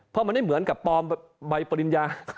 เพราะมันไม่เหมือนกับปลอมใบปริญญา